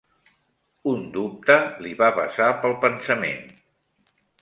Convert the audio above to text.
Un dubte li va passar pel pensament.